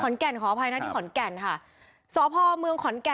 ขอนแก่นขออภัยนะที่ขอนแก่นค่ะ